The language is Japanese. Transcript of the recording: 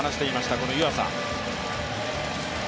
この湯浅。